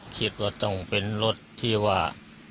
คิดว่าต้องเป็นรถที่ว่า